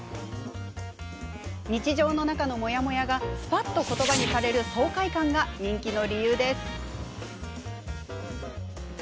日常の中のモヤモヤがすぱっと言葉にされる爽快感が人気の理由です。